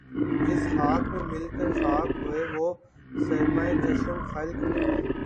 جس خاک میں مل کر خاک ہوئے وہ سرمۂ چشم خلق بنی